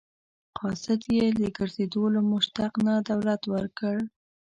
قاصد له یې د ګرځېدو له مشقت نه دولت ورکړ.